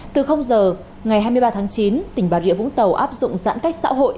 từ giờ ngày hai mươi ba tháng chín tỉnh bà rịa vũng tàu áp dụng giãn cách xã hội